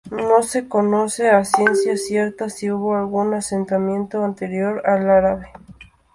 No se conoce a ciencia cierta si hubo algún asentamiento anterior al árabe.